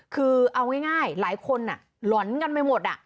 คือเอาง่ายหลายคนหล่อนกันไปหมด